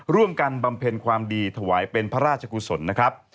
บำเพ็ญความดีถวายเป็นพระราชกุศลนะครับ